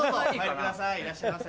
いらっしゃいませ。